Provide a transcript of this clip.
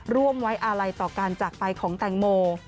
ร่วมไว้อาลัยต่อการจากไปของแตงโม